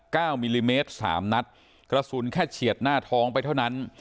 มิลลิเมตรสามนัดกระสุนแค่เฉียดหน้าท้องไปเท่านั้น